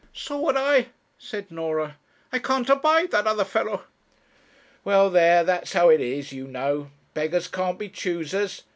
'So would I,' said Norah; 'I can't abide that other fellow.' 'Well, there, that's how it is, you know beggars can't be choosers.